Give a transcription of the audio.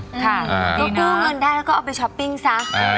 ก็กู้เงินได้แล้วก็เอาไปช้อปปิ้งซะ